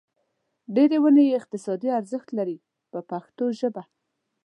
ډېرې ونې یې اقتصادي ارزښت لري په پښتو ژبه.